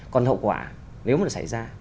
còn hậu quả nếu mà xảy ra